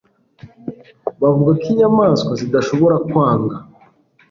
Bavuga ko inyamaswa zidashobora kwanga